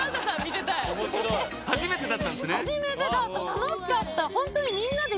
楽しかった！